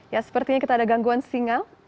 ya sepertinya kita ada gangguan singa